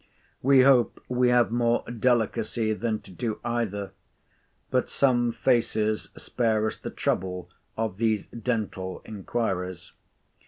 We hope we have more delicacy than to do either: but some faces spare us the trouble of these dental inquiries.